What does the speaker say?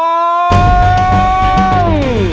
ว้าว